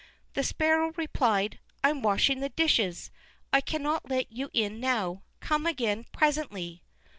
The Sparrow replied: "I'm washing the dishes; I cannot let you in now; come again presently."